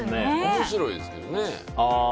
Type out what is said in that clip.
面白いですけどね。